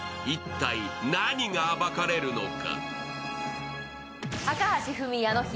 一体何が暴かれるのか。